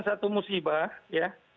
satu musibah ya